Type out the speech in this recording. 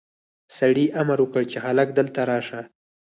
سړي امر وکړ چې هلک دلته راشه.